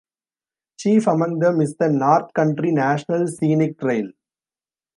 Chief among them is the North Country National Scenic Trail.